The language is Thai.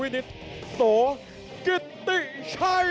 และที่๔แพทย์วินิสต์ต่อกิตตี้ชัย